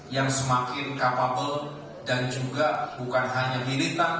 yang semakin capable dan juga bukan hanya militer